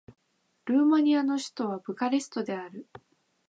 ルーマニアの首都はブカレストである